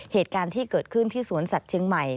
เหตุการณ์ที่เกิดขึ้นที่สวนสัตว์เชียงใหม่